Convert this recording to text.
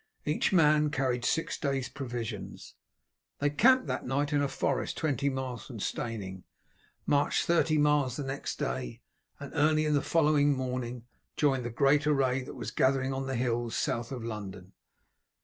Each man carried six days' provisions. They camped that night in a forest twenty miles from Steyning, marched thirty miles the next day, and early the following morning joined the great array that was gathering on the hills south of London.